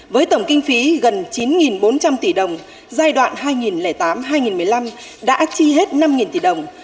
với tổng kinh phí gần chín bốn trăm linh tỷ đồng giai đoạn hai nghìn tám hai nghìn một mươi năm đã chi hết năm tỷ đồng